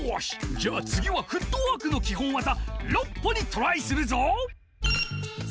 じゃあつぎはフットワークのきほんわざ「６歩」にトライするぞ！